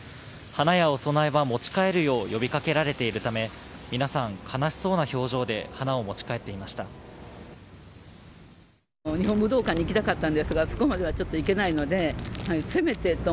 花やお供えは持ち帰るよう呼びかけられているため皆さん、悲しそうな表情で花を持ち帰っていました。